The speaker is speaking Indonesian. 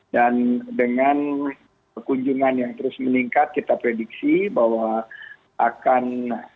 dan dengan kunjungan yang terus meningkat kita prediksi bahwa akan